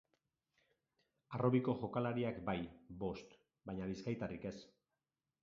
Harrobiko jokalariak bai, bost, baina bizkaitarrik ez.